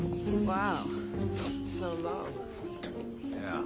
ああ。